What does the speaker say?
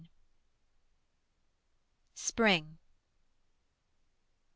SPRING.